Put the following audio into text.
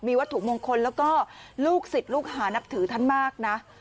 วัตถุมงคลแล้วก็ลูกศิษย์ลูกหานับถือท่านมากนะ